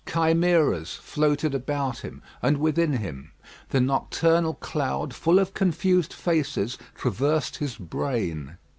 Chimeras floated about him, and within him. The nocturnal cloud, full of confused faces, traversed his brain.